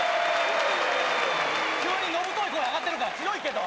急に野太い声上がってるから強いけど。